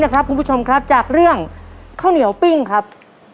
คุณผู้ชมครับจากเรื่องข้าวเหนียวปิ้งครับ